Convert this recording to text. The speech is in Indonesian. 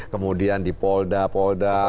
kemudian di polda polda